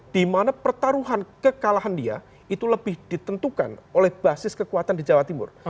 dimana pertaruhan kekalahan dia itu lebih ditentukan oleh basis kekuatan di jawa timur